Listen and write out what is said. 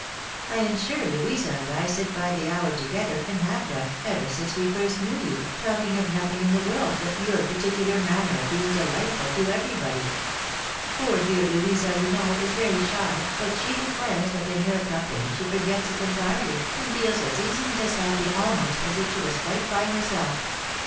I am sure, Louisa and I sit by the hour together, and have done, ever since we first knew you, talking of nothing in the world but your particular manner of being delightful to everybody. Poor dear Louisa, you know, is very shy, but she declares that in your company she forgets it entirely, and feels as easy and as happy, almost, as if she was quite by herself."